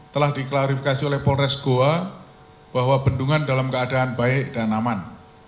telah diklarifikasi oleh polres goa bahwa bendungan dalam keadaan baik dan aman